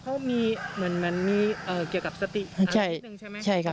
เขามีเหมือนมีเกี่ยวกับสติหานิดนึงใช่ไหมใช่ครับ